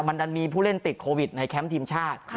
มันดันมีผู้เล่นติดโควิดในแคมป์ทีมชาติ